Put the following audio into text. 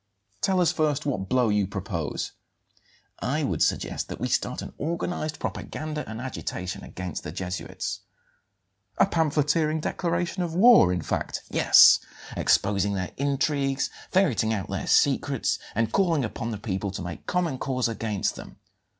"Tell us first what blow you propose?" "I would suggest that we start an organized propaganda and agitation against the Jesuits." "A pamphleteering declaration of war, in fact?" "Yes; exposing their intrigues, ferreting out their secrets, and calling upon the people to make common cause against them."